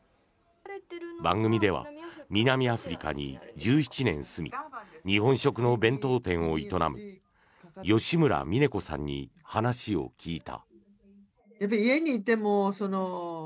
番組では南アフリカに１７年住み日本食の弁当店を営む吉村峰子さんに話を聞いた。